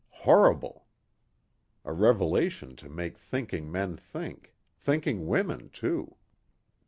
Horrible! A revelation to make thinking men think, thinking women, too.